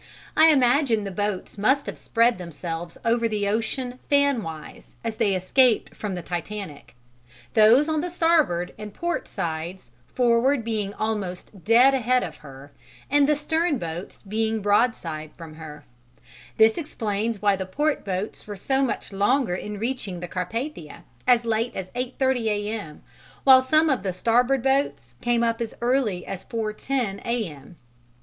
I imagine the boats must have spread themselves over the ocean fanwise as they escaped from the Titanic: those on the starboard and port sides forward being almost dead ahead of her and the stern boats being broadside from her; this explains why the port boats were so much longer in reaching the Carpathia as late as 8.30 A.M. while some of the starboard boats came up as early as 4.10 A.M.